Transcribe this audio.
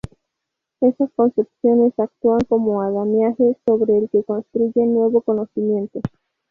Estas concepciones actúan como andamiaje sobre el que construyen nuevo conocimiento.